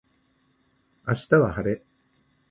明日は晴れ